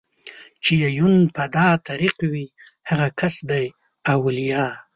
چې يې يون په دا طريق وي هغه کس دئ اوليا